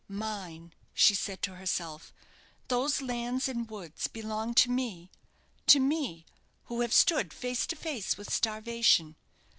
"Mine!" she said to herself; "those lands and woods belong to me! to me, who have stood face to face with starvation!